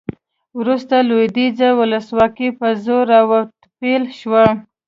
وروسته لویدیځه ولسواکي په زور راوتپل شوه